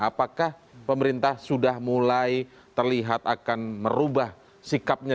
apakah pemerintah sudah mulai terlihat akan merubah sikapnya